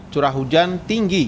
curah hujan tinggi